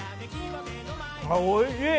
おいしい！